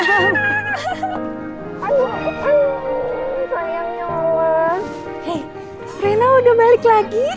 hey rena udah balik lagi